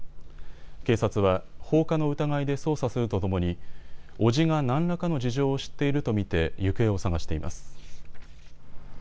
警察は放火の疑いで捜査するとともに伯父が何らかの事情を知っていると見て行方を捜しています。